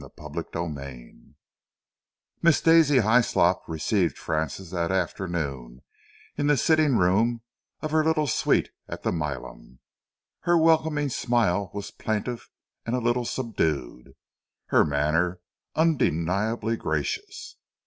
CHAPTER XI Miss Daisy Hyslop received Francis that afternoon, in the sitting room of her little suite at the Milan. Her welcoming smile was plaintive and a little subdued, her manner undeniably gracious.